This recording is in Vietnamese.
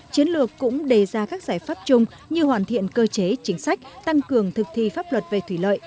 chiến lược cũng đề ra các giải pháp chung như hoàn thiện cơ chế chính sách tăng cường thực thi pháp luật về thủy lợi